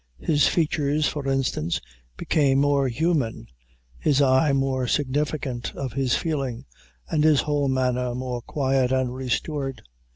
His features, for instance, became more human, his eye more significant of his feeling, and his whole manner more quiet and restored.